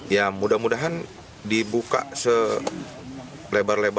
ya mudah mudahan dibuka